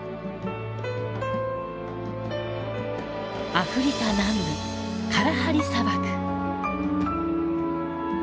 アフリカ南部カラハリ砂漠。